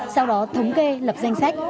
sau đó thống kê lập danh sách